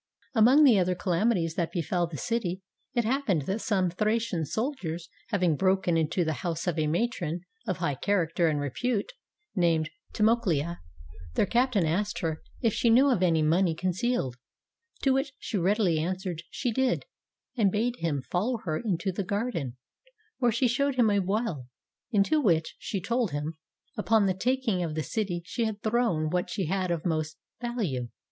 Among the other calamities that befell the city, it happened that some Thracian soldiers having broken into the house of a matron of high character and repute, named Timoclea, their captain asked her if she knew of any money con cealed; to which she readily answered she did, and bade him follow her into the garden, where she showed him a well, into which, she told him, upon the taking of the city she had thrown what she had of most value.